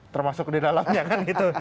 termasuk di dalamnya kan gitu